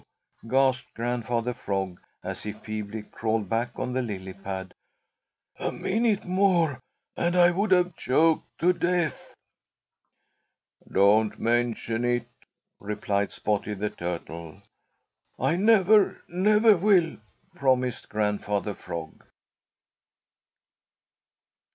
gasped Grandfather Frog, as he feebly crawled back on the lily pad. "A minute more, and I would have choked to death." "Don't mention it," replied Spotty the Turtle. "I never, never will," promised Grandfather Frog.